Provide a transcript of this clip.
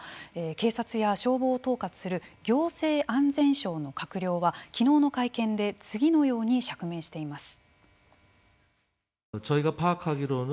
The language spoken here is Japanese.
警察や消防を統括する行政安全省の閣僚は昨日の会見で次のように釈明しています。